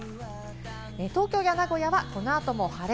東京や名古屋はこの後も晴れ。